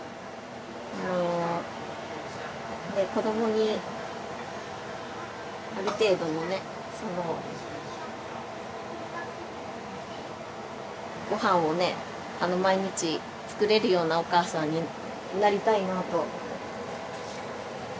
もうね子どもにある程度のねご飯をね毎日作れるようなお母さんになりたいなと思ってたので。